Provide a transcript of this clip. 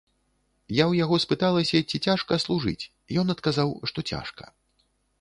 Я ў яго спыталася, ці цяжка служыць, ён адказаў, што цяжка.